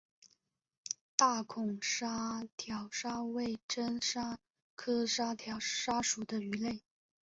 大孔沙条鲨为真鲨科沙条鲨属的鱼类。